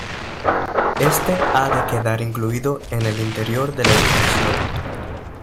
Éste ha de quedar incluido en el interior de la impresión.